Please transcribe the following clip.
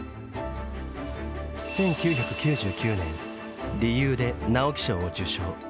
１９９９年「理由」で直木賞を受賞。